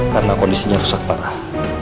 karena kondisinya rusak parah